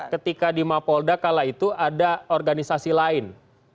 ketika di mapolda kala itu ada organisasi lain